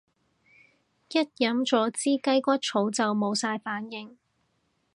一飲咗支雞骨草就有晒反應